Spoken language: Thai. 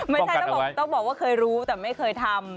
ไม่ใช่ต้องบอกว่าเคยรู้แต่ไม่เคยทำ